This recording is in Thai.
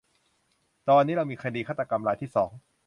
ตอนนี้เรามีคดีฆาตกรรมรายที่สอง